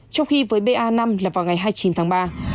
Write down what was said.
trong khi với ba năm là vào ngày hai mươi chín tháng ba